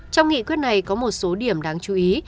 trong nghị quyết này có một số điểm đáng chú ý